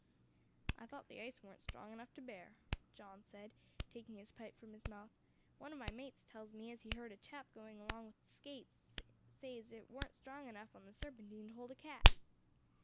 "I thought the ice weren't strong enough to bear," John said, taking his pipe from his mouth; "one of my mates tells me as he heard a chap going along with skates say as it weren't strong enough on the Serpentine to hold a cat."